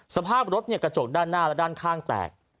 สภาพรถกระจกด้านหน้าและด้านข้างแตก